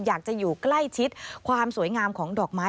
อยากจะอยู่ใกล้ชิดความสวยงามของดอกไม้